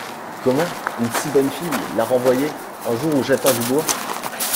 Comment ! une si bonne fille ! la renvoyer… un jour où j’attends du bois !